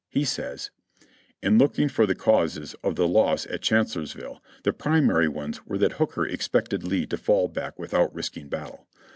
He says : "In looking for the causes of the loss of Chancellorsville, the primary ones were that Hooker expected Lee to fall back with out risking battle.